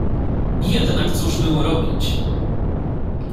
"Jednak cóż było robić!"